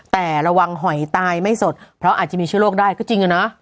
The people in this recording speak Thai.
แต่ระวังหอยตายไม่สดเพราะอาจจะมีเชื้อโรคได้ก็จริงอะเนาะ